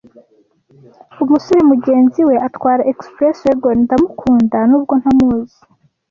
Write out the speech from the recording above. Umusore mugenzi we atwara Express-wagon, (ndamukunda, nubwo ntamuzi;)